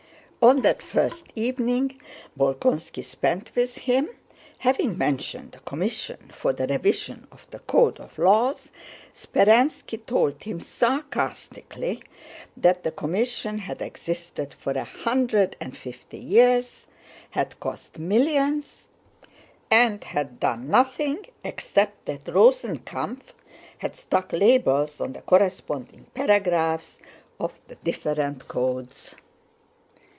On that first evening Bolkónski spent with him, having mentioned the Commission for the Revision of the Code of Laws, Speránski told him sarcastically that the Commission had existed for a hundred and fifty years, had cost millions, and had done nothing except that Rosenkampf had stuck labels on the corresponding paragraphs of the different codes.